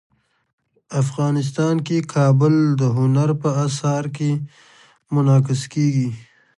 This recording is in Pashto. افغانستان کې کابل د هنر په اثار کې منعکس کېږي.